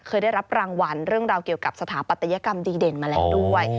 เคยได้รับรางวัลเรื่องราวเกี่ยวกับสถาปัตยกรรมดีเด่นมาแล้วด้วย